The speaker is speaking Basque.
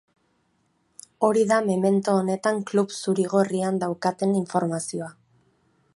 Hori da memento honetan klub zuri-gorrian daukaten informazioa.